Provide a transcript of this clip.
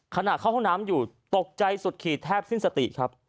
ขณะเข้าห้องน้ำอยู่ตกใจสุดขีดแทบสิ้นสติครับ